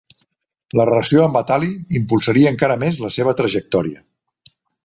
La relació amb Batali impulsaria encara més la seva trajectòria.